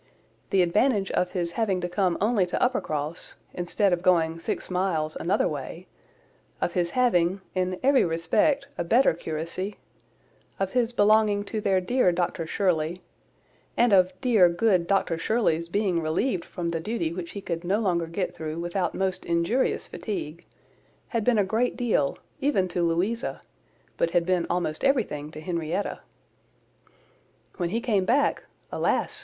The advantage of his having to come only to Uppercross, instead of going six miles another way; of his having, in every respect, a better curacy; of his belonging to their dear Dr Shirley, and of dear, good Dr Shirley's being relieved from the duty which he could no longer get through without most injurious fatigue, had been a great deal, even to Louisa, but had been almost everything to Henrietta. When he came back, alas!